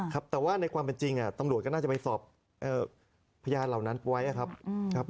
ครับแต่ว่าในความเป็นจริงตำรวจก็น่าจะไปสอบพยานเหล่านั้นไว้ครับ